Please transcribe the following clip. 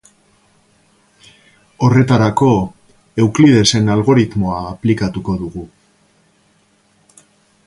Horretarako, Euklidesen algoritmoa aplikatuko dugu.